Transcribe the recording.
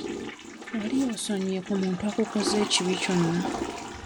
Wali osonyiye ku muntu akukoze ekibi kyonna?